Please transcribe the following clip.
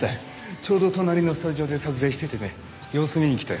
ちょうど隣のスタジオで撮影しててね様子見に来たよ。